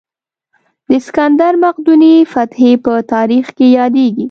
د سکندر مقدوني فتحې په تاریخ کې یادېږي.